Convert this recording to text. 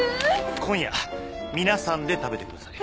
今夜皆さんで食べてください。